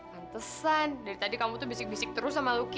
ngantesan dari tadi kamu tuh bisik bisik terus sama luki